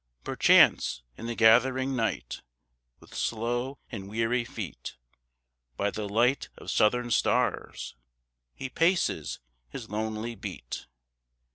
Perchance in the gathering night, With slow and weary feet, By the light of Southern stars, He paces his lonely beat.